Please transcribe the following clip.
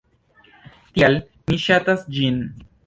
Tial mi ŝatas ĝin.